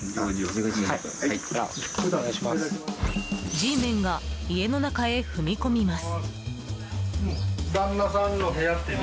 Ｇメンが家の中へ踏み込みます。